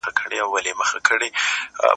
د مسمومیت درملنه په کلینیک کې پیل شوه.